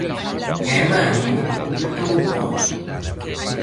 Caamaño completou o podio.